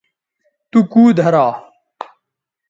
تو کوؤ دھرا